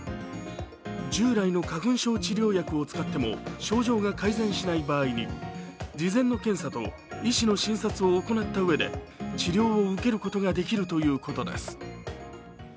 従来の花粉症治療薬を使っても症状が改善しない場合に事前の検査と医師の診察を行ったうえで治療を受けることができるということです。